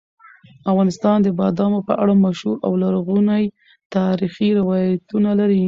افغانستان د بادامو په اړه مشهور او لرغوني تاریخي روایتونه لري.